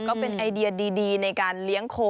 ก็เป็นไอเดียดีในการเลี้ยงโค